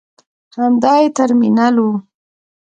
همدا یې ترمینل و.